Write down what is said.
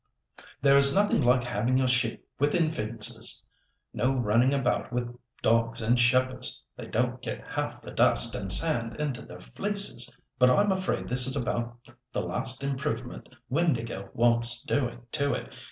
"There is nothing like having your sheep within fences; no running about with dogs and shepherds; they don't get half the dust and sand into their fleeces. But I'm afraid this is about the last improvement Windāhgil wants doing to it.